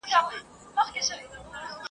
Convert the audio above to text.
جهاني هلته مي شکمن پر خپله مینه سمه ..